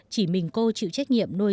chỉ mình cô chịu trách nhiệm